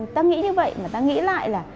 ta nghĩ như vậy mà ta nghĩ lại là